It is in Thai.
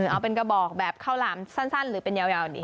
เอาเป็นกระบอกแบบข้าวหลามสั้นหรือเป็นยาวดี